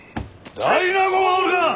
大納言はおるか！